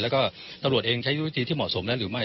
แล้วก็ตำรวจเองใช้ยุทธวิธีที่เหมาะสมแล้วหรือไม่